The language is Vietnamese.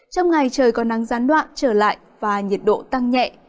trong ngày trời có nắng gián đoạn trở lại và nhiệt độ tăng nhẹ